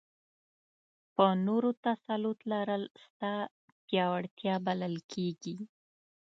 په نورو تسلط لرل ستا پیاوړتیا بلل کېږي.